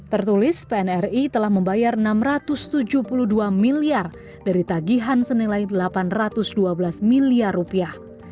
tertulis pnri telah membayar enam ratus tujuh puluh dua miliar dari tagihan senilai delapan ratus dua belas miliar rupiah